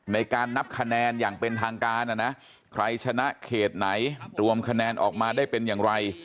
ในการนับคะแนนอย่างเป็นทางการนะนะใครชนะเขตไหนรวมคะแนนออกมาได้เป็นอย่างไร